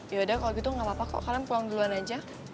yaudah kalau gitu gak apa apa kok kalian pulang duluan aja